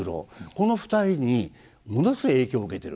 この２人にものすごい影響を受けているんです。